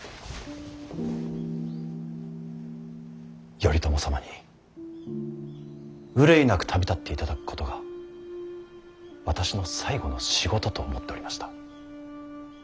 頼朝様に憂いなく旅立っていただくことが私の最後の仕事と思っておりました。